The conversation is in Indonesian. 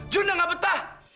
junda gak betah